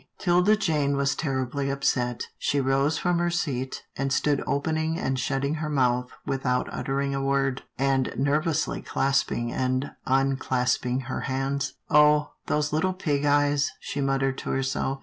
'Tilda Jane was terribly upset. She rose from her seat, and stood opening and shutting her mouth without uttering a word, and nervously clasping and unclasping her hands. " Oh ! those little pig eyes," she muttered to herself.